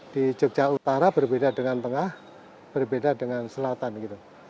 di jogja utara berbeda dengan tengah berbeda dengan selatan gitu